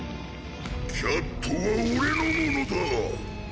キャットは俺のものだ！